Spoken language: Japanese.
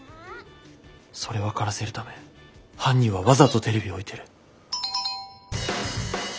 それ分からせるため犯人はわざとテレビを置いてる。